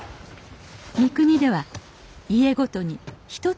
三国では家ごとに一つの祭り